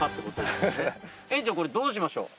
これどうしましょう